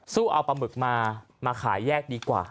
เอาปลาหมึกมามาขายแยกดีกว่า